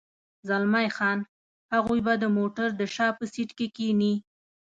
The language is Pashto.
زلمی خان: هغوی به د موټر د شا په سېټ کې کېني.